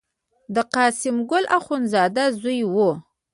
د قسیم ګل اخوندزاده زوی و.